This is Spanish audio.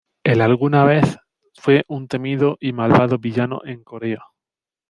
El alguna vez fue un temido y malvado villano en Corea.